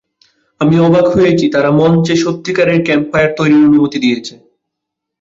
আমি অবাক হয়েছি, তারা মঞ্চে সত্যিকারের ক্যাম্পফায়ার তৈরির অনুমতি দিয়েছে।